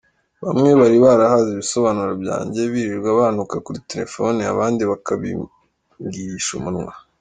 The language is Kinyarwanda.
Bamwe bari barahaze ibisobanuro byanjye birirwa bantuka kuri telefone, abandi bakabimbwirisha umunwa.